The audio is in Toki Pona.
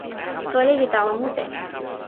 soweli li tawa mute.